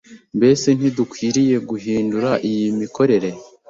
Mbese ntidukwiriye guhindura iyi mikorere?